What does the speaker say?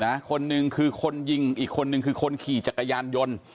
คนหนึ่งคือคนยิงอีกคนนึงคือคนขี่จักรยานยนต์